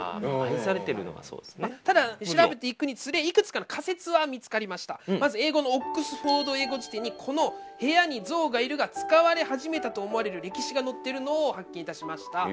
ただ調べていくにつれまず英語の「オックスフォード英語辞典」にこの「部屋に象がいる」が使われ始めたと思われる歴史が載ってるのを発見いたしました。